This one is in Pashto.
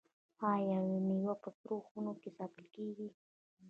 آیا میوه په سړو خونو کې ساتل کیږي؟